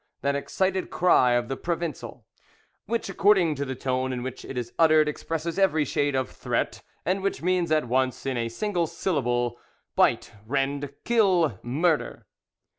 that excited cry of the Provencal, which according to the tone in which it is uttered expresses every shade of threat, and which means at once in a single syllable, "Bite, rend, kill, murder!"